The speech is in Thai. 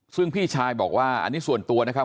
ซึ่งพี่ชายบอกว่าอันนี้ส่วนตัวนะครับ